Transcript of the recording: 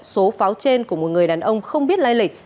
số pháo trên của một người đàn ông không biết lai lịch